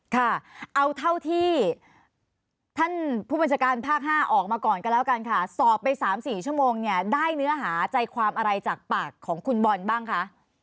ค่ะเอาเท่าที่ท่านผู้บัญชาการภาค๕ออกมาก่อนก็แล้วกันค่ะสอบไป๓๔ชั่วโมงเนี่ยได้เนื้อหาใจความอะไรจากปากของคุณบอลบ้างคะ